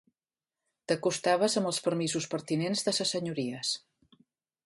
T'acostaves amb els permisos pertinents de ses senyories.